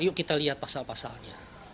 yuk kita lihat pasal pasalnya